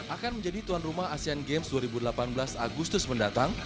akan menjadi tuan rumah asean games dua ribu delapan belas agustus mendatang